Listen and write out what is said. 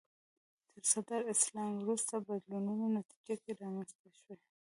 تر صدر اسلام وروسته بدلونونو نتیجه کې رامنځته شوي